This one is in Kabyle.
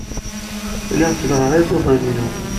Lliɣ ttellɣeɣ iḍudan-inu.